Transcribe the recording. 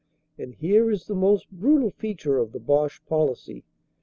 And here is the most brutal feature of the Boche policy.